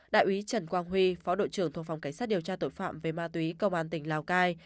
đại úy trần quang huy phó đội trưởng thuộc phòng cảnh sát điều tra tội phạm về ma túy công an tỉnh lào cai